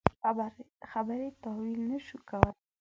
خبرې تاویل نه شو کولای.